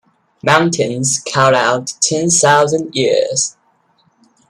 Mountains call out 'Ten thousand years!